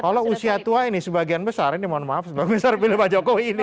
kalau usia tua ini sebagian besar ini mohon maaf sebagian besar pilih pak jokowi ini